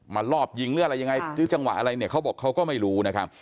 มารอบยิงเลือดอะไรยังไงจังหวะอะไรเขาบอกเขาก็ไม่รู้นะครับ